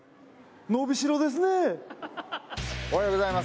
おはようございます